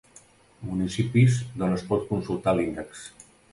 Municipis d'on es pot consultar l'índex.